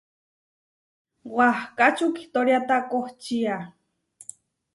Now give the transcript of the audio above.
Wahká čukitóriata kohčía.